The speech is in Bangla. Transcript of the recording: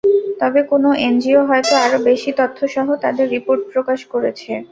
তবে কোনো এনজিও হয়তো আরও বেশি তথ্যসহ তাদের রিপোর্ট প্রকাশ করেছে।